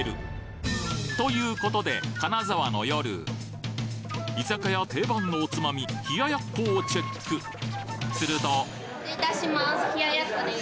えっ！？ということで金沢の夜居酒屋定番のおつまみ冷奴をチェックすると失礼いたします。